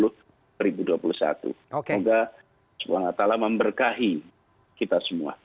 semoga allah memberkahi kita semua